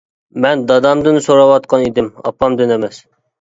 مەن دادامدىن سوراۋاتقان ئىدىم، ئاپامدىن ئەمەس.